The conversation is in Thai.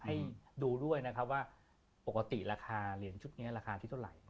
ให้ดูด้วยว่าโปรติเหรียญชุดนี้ราคาที่เท่าไหร่